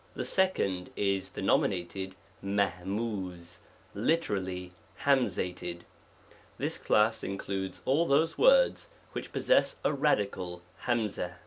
3 THE second is denominated 3^* (literally) Jiumzated: this class includes all those words which possess a radical humzah